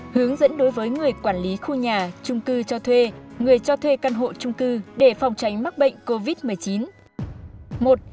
hướng dẫn đối với người quản lý khu nhà trung cư cho thuê người cho thuê căn hộ trung cư để phòng tránh mắc bệnh covid một mươi chín